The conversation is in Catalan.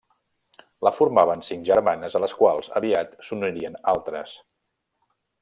La formaven cinc germanes a les quals aviat s'unirien altres.